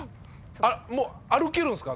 あっもう歩けるんですか？